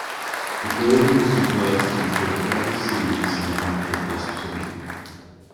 The building was converted into the Rebecca Sealy Psychiatric Hospital.